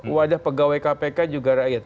wadah pegawai kpk juga rakyat